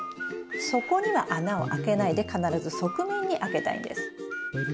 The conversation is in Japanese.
底には穴を開けないで必ず側面に開けたいんです。